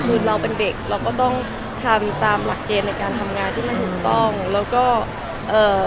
คือเราเป็นเด็กเราก็ต้องทำตามหลักเกณฑ์ในการทำงานที่มันถูกต้องแล้วก็เอ่อ